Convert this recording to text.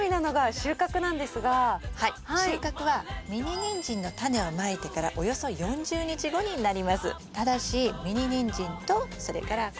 収穫はミニニンジンのタネをまいてからおよそ４０日後になります。